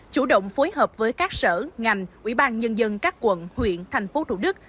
chủ động phối hợp với các sở ngành ủy ban nhân dân các quận huyện thành phố thủ đức